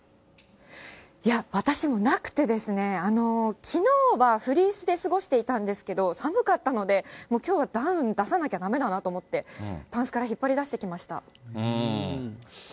いや、私もなくてですね、きのうはフリースで過ごしていたんですけど、寒かったので、もうきょうはダウン出さなきゃだめだなと思って、たんすから引っ張り出してきました。